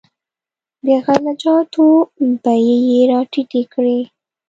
د غله جاتو بیې یې راټیټې کړې.